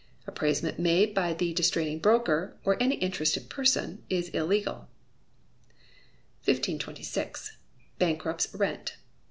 Appraisement made by the distraining broker, or any interested person, is illegal. 1526. Bankrupts' Rent.